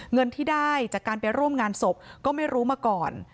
เงินที่ได้จากการไปร่วมงานศพก็ไม่รู้มาก่อน